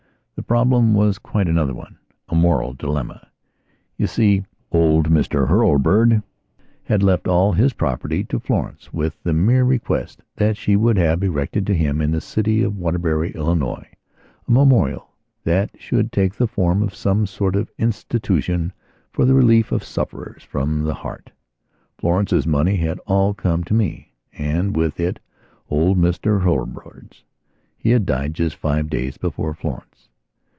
The problem was quite another onea moral dilemma. You see, old Mr Hurlbird had left all his property to Florence with the mere request that she would have erected to him in the city of Waterbury, Ill., a memorial that should take the form of some sort of institution for the relief of sufferers from the heart. Florence's money had all come to meand with it old Mr Hurlbird's. He had died just five days before Florence.